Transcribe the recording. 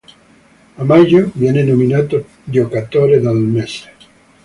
A maggio viene nominato giocatore del mese.